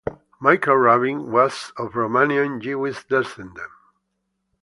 Michael Rabin was of Romanian-Jewish descent.